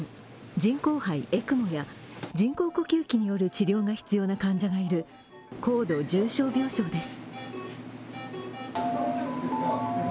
人工肺＝ＥＣＭＯや人工呼吸器による治療が必要な患者がいる高度重症病床です。